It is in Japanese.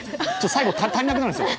最後、足りなくなるんですよ。